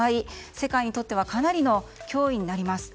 世界にとってはかなりの脅威になります。